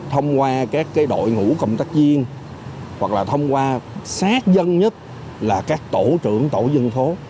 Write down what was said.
thông qua các cái đội ngũ công tác viên hoặc là thông qua sát dân nhất là các tổ trưởng tổ dân thố